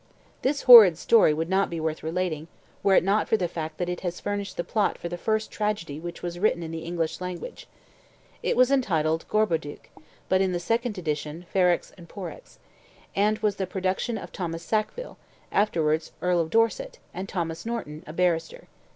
This horrid story would not be worth relating, were it not for the fact that it has furnished the plot for the first tragedy which was written in the English language. It was entitled "Gorboduc," but in the second edition "Ferrex and Porrex," and was the production of Thomas Sackville, afterwards Earl of Dorset, and Thomas Norton, a barrister.